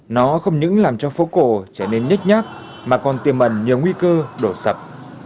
nó không những làm cho phố cổ trở nên nhách nhát mà còn tiềm ẩn nhiều nguy cơ đổ sập